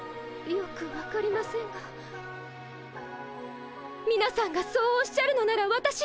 よく分かりませんがみなさんがそうおっしゃるのならわたし